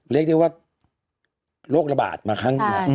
เรียกได้ว่าโรคระบาดมาครั้งเดียว